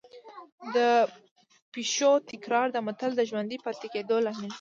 د پېښو تکرار د متل د ژوندي پاتې کېدو لامل دی